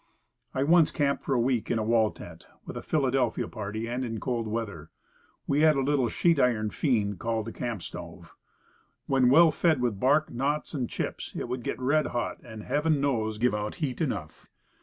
I once camped for a week in a wall tent, with a Philadelphia party, and in cold weather. We had a little sheet iron fiend, called a camp stove. When well fed with bark, knots and chips, it would get red hot, and, heaven knows, give out heat enough.